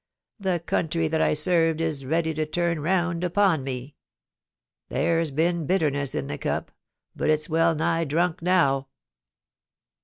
The countr\ that I served is ready to turn round upon me. ... There's been bitterness in the cup, but it's well nigh drunk now.